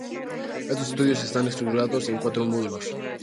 Estos estudios están estructurados en cuatro módulos.